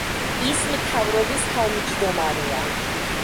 ის მთავრობის თავმჯდომარეა.